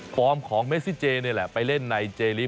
ของเมซิเจนี่แหละไปเล่นในเจลิส